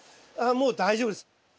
ああもう大丈夫です。